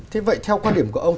thế vậy theo quan điểm của ông